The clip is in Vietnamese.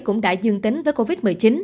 cũng đã dương tính với covid một mươi chín